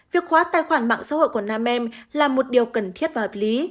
việc khóa tài khoản mạng xã hội của nam em là một điều cần thiết và hợp lý